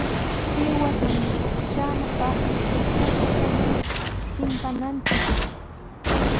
Sihuasman traanapaqmi kay chakatami chimpananchik.